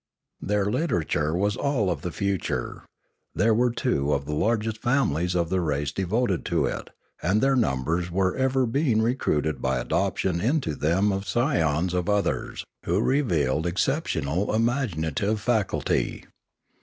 Their literature was all of the future. There were two of the largest families of the race devoted to it, and their numbers were ever being recruited by adoption into them of scions of others, who revealed exceptional imaginative faculty.